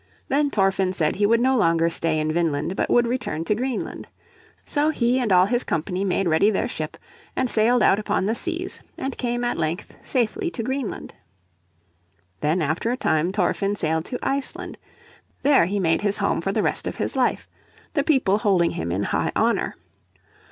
Then Thorfinn said he would no longer stay in Vineland, but would return to Greenland. So he and all his company made ready their ship, and sailed out upon the seas, and came at length safely to Greenland. Then after a time Thorfinn sailed to Iceland. There he made his home for the rest of his life, the people holding him in high honour.